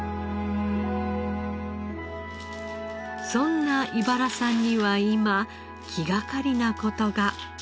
そんな井原さんには今気がかりな事が。